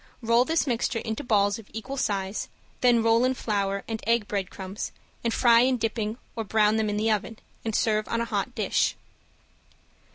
Roll this mixture into balls of equal size, then roll in flour and egg breadcrumbs, and fry in dripping or brown them in the oven, and serve on a hot dish.